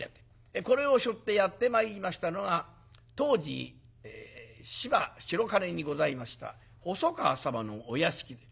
これをしょってやって参りましたのが当時芝白金にございました細川様のお屋敷で。